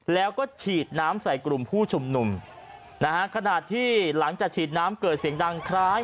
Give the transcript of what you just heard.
แล้วก็ฉีดน้ำใส่กลุ่มผู้ชุมนุมนะฮะขณะที่หลังจากฉีดน้ำเกิดเสียงดังคล้าย